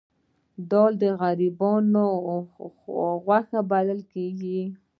دال د غریبانو غوښه بلل کیږي